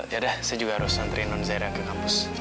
yaudah saya juga harus nantriin nunzera ke kampus